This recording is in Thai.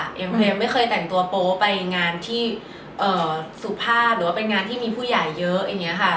ยังไม่เคยแต่งตัวโป๊ไปงานที่สุภาพหรือว่าเป็นงานที่มีผู้ใหญ่เยอะอย่างนี้ค่ะ